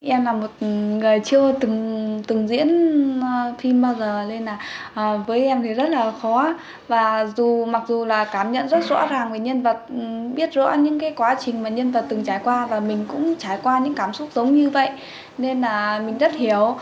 em là một người chưa từng diễn phim bao giờ nên là với em thì rất là khó và dù mặc dù là cảm nhận rất rõ ràng về nhân vật biết rõ những quá trình mà nhân vật từng trải qua và mình cũng trải qua những cảm xúc giống như vậy nên là mình rất hiểu